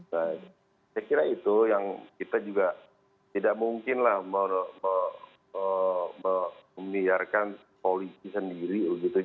saya kira itu yang kita juga tidak mungkinlah membiarkan polisi sendiri begitu